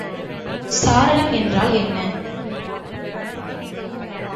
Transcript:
சாளரம் என்றால் என்ன?